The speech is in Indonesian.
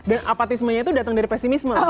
apatismenya itu datang dari pesimisme